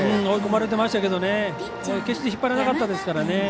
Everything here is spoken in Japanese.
追い込まれていましたけど引っ張らなかったですからね。